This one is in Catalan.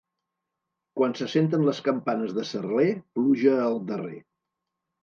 Quan se senten les campanes de Cerler, pluja al darrer.